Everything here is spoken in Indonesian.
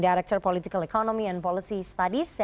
ketika gitu teman teman itu dan pribadi lo